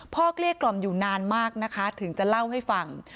เกลี้ยกล่อมอยู่นานมากนะคะถึงจะเล่าให้ฟัง